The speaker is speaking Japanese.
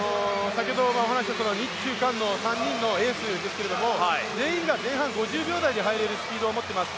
日中韓の３人のエースですけれども、全員が、前半５０秒台で入れるスピードを持っています。